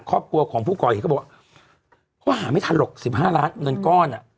ครอบครัวของผู้ก่อเหตุเขาบอกเขาหาไม่ทันหรอก๑๕ล้านเงินก้อนอ่ะ